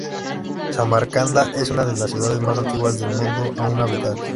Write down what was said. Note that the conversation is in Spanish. Samarcanda es una de las ciudades más antiguas del mundo aún habitadas.